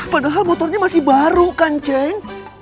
padahal motornya masih baru kan ceng